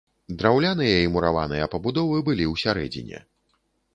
Драўляныя і мураваныя пабудовы былі ў сярэдзіне.